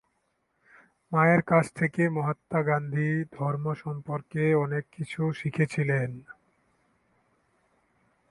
মায়ের কাছ থেকে মহাত্মা গান্ধী ধর্ম সম্পর্কে অনেক কিছু শিখেছিলেন।